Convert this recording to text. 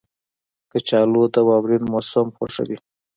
کچالو د واورین موسم خوښوي